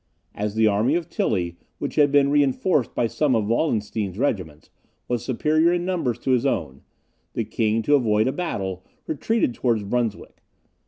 As the army of Tilly, which had been reinforced by some of Wallenstein's regiments, was superior in numbers to his own, the king, to avoid a battle, retreated towards Brunswick.